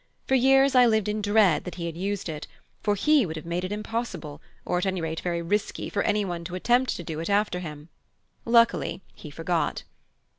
For years I lived in dread that he had used it: for he would have made it impossible, or at any rate very risky, for anyone to attempt to do it after him. Luckily he forgot."